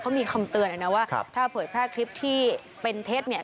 เขามีคำเตือนเลยนะว่าถ้าเผยแพร่คลิปที่เป็นเท็จเนี่ย